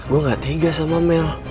gue gak tega sama mel